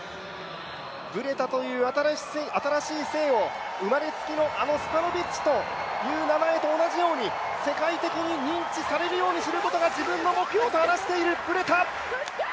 ブレタという新しい姓を、生まれつきの、あの名前と同じように世界的に認知されるようにすることが自分の目標と話しているブレタ。